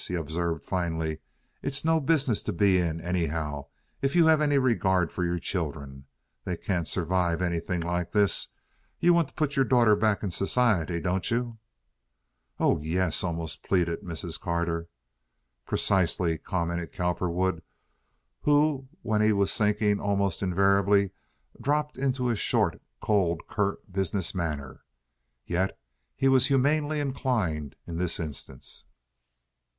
he observed, finally. "It's no business to be in, anyhow, if you have any regard for your children. They can't survive anything like this. You want to put your daughter back in society, don't you?" "Oh yes," almost pleaded Mrs. Carter. "Precisely," commented Cowperwood, who, when he was thinking, almost invariably dropped into a short, cold, curt, business manner. Yet he was humanely inclined in this instance.